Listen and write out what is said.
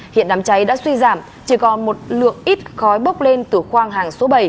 hiện đám cháy đã suy giảm chỉ còn một lượng ít khói bốc lên từ khoang hàng số bảy